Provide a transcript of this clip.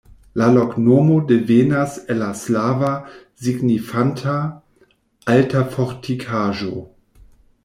La loknomo devenas el la slava, signifanta: alta fortikaĵo.